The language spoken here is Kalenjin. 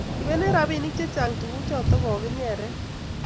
ibenech robinik chechang tuguchoto kokinyere